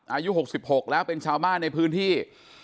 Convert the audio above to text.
อายุ๖๖แล้วเป็นชาวบ้านในพื้นที่